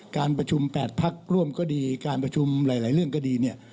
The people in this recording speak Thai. การประชุม๘พักร่วมก็ดีการประชุมหลายเรื่องก็ดีเนี่ย